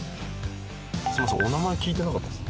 すみませんお名前聞いてなかったです。